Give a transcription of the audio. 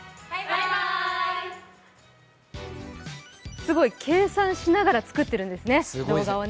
すごい、計算しながら作ってるんですね、動画をね。